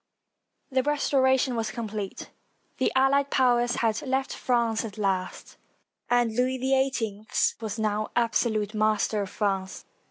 ] The restoration was complete. The allied powers had left France at last, and Louis XVIII was now absolute master of France.